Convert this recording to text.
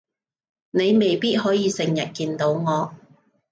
你未必可以成日見到我